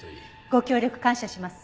ご協力感謝します。